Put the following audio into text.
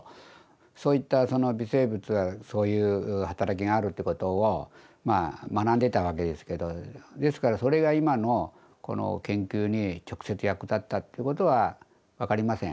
そういった微生物がそういう働きがあるってことを学んでたわけですけどですからそれが今のこの研究に直接役立ったっていうことは分かりません。